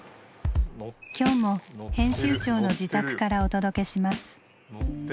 今日も編集長の自宅からお届けします。